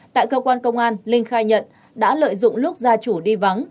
tại cơ quan công an linh khai nhận đã lợi dụng lúc gia chủ đi vắng